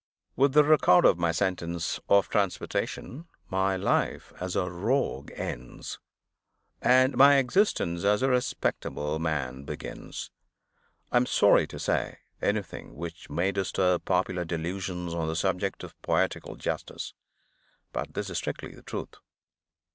WITH the record of my sentence of transportation, my life as a Rogue ends, and my existence as a respectable man begins. I am sorry to say anything which may disturb popular delusions on the subject of poetical justice, but this is strictly the truth.